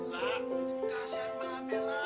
mbak kasihan mbak bella